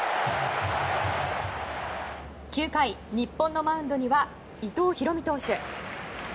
９回、日本のマウンドには伊藤大海投手。